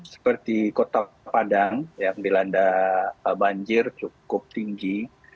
seperti kota padang yang dilanda banjir cukup tinggi